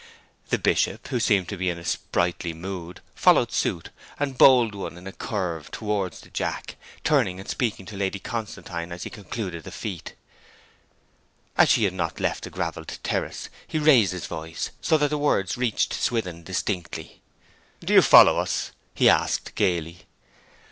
The Bishop, who seemed to be in a sprightly mood, followed suit, and bowled one in a curve towards the jack, turning and speaking to Lady Constantine as he concluded the feat. As she had not left the gravelled terrace he raised his voice, so that the words reached Swithin distinctly. 'Do you follow us?' he asked gaily.